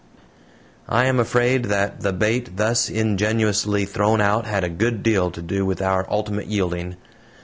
I am afraid that the bait thus ingenuously thrown out had a good deal to do with our ultimate yielding.